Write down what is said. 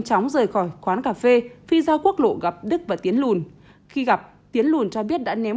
chóng rời khỏi quán cà phê phi ra quốc lộ gặp đức và tiến lùn khi gặp tiến lùn cho biết đã ném